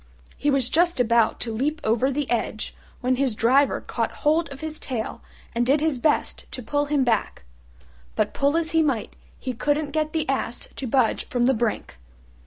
He was just about to leap over the edge when his Driver caught hold of his tail and did his best to pull him back: but pull as he might he couldn't get the Ass to budge from the brink.